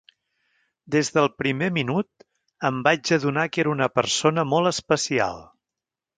Des del primer minut em vaig adonar que era una persona molt especial.